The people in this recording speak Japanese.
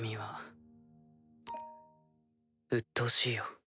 ピコンうっとうしいよ。